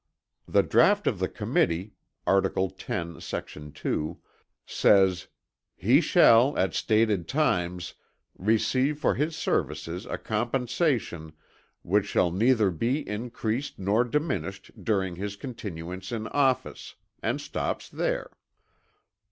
The draught of the Committee (art. X sec. 2) says "He shall, at stated times receive for his services a compensation, which shall neither be increased nor diminished during his continuance in office," and stops there.